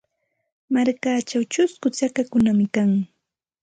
Markachaw chusku chakakunam kan.